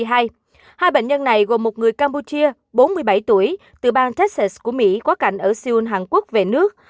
hai bệnh nhân này gồm một người campuchia bốn mươi bảy tuổi từ bang tex của mỹ quá cảnh ở seoul hàn quốc về nước